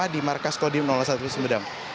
di markas kodim enam puluh satu sumedang